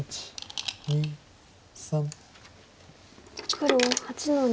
黒８の二。